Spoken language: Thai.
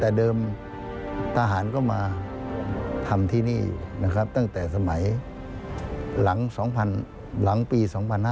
แต่เดิมทหารก็มาทำที่นี่นะครับตั้งแต่สมัยหลังปี๒๕๕๙